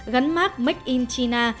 gắn mát mấy chữ đồng